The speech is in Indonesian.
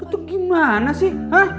itu gimana sih